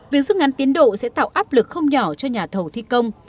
việc rút ngắn tiến độ sẽ tạo áp lực không nhỏ cho nhà thầu thi công